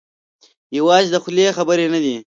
یوازې د خولې خبرې نه دي.